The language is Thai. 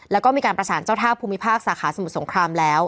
แล้วก็มีการประสานเจ้าท่าภูมิภาคสาขาสมุทรสงครามแล้ว